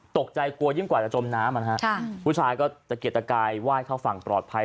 ตกใจกว่าเยี่ยมกว่าจะจมน้ำนะครับผู้ชายก็เกร็ดตะกายไหว้เข้าฝั่งปลอดภัย